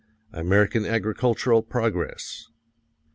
American agricultural progress.